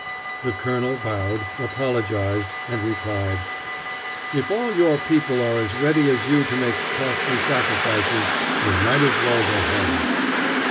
The colonel bowed, apologized, and replied, "If all your people are as ready as you to make costly sacrifices, we might as well go home."